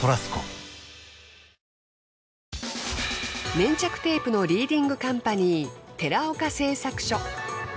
粘着テープのリーディングカンパニー寺岡製作所。